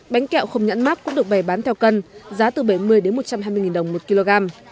bánh kẹo không nhãn mát cũng được bày bán theo cân giá từ bảy mươi một trăm hai mươi đồng một kg